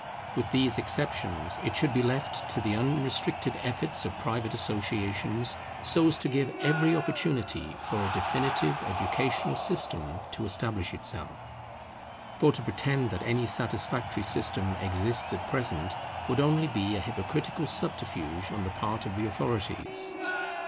With these exceptions it should be left to the unrestricted efforts of private associations, so as to give every opportunity for a definitive educational system to establish itself. For to pretend that any satisfactory system exists at present would only be a hypocritical subterfuge on the part of the authorities.